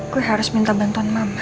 gue harus minta bantuan mama